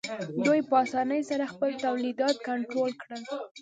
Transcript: دوی په اسانۍ سره خپل تولیدات کنټرول کړل